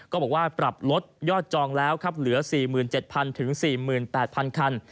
บอกว่าปรับลดยอดจองแล้วครับเหลือ๔๗๐๐๔๘๐๐คัน